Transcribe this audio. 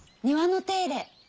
庭の手入れ